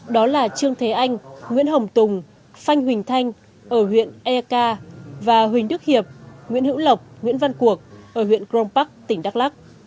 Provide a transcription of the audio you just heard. đó là trương thế anh nguyễn hồng tùng phanh huỳnh thanh ở huyện eka và huỳnh đức hiệp nguyễn hữu lộc nguyễn văn cuộc ở huyện crong park tỉnh đắk lắc